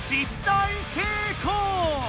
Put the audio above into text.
大成功！